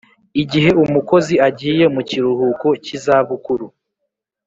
Igihe umukozi agiye mu kiruhuko cy izabukuru